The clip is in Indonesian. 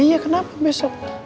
iya kenapa besok